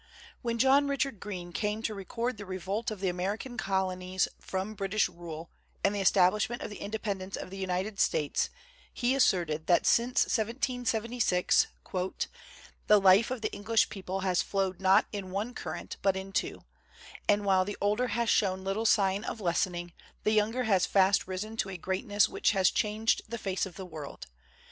When John Richard Green came to re cord the revolt of the American colonies from British rule and the establishment of the inde pendence of the United States he asserted that since 1776 "the life of the English people has flowed not in one current, but in two; and while the older has shown little sign of lessening, the younger has fast risen to a greatness which has changed the face of the world.